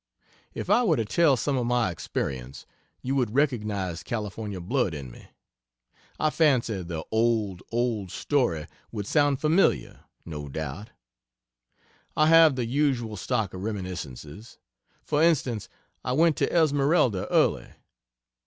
If I were to tell some of my experience, you would recognize California blood in me; I fancy the old, old story would sound familiar, no doubt. I have the usual stock of reminiscences. For instance: I went to Esmeralda early.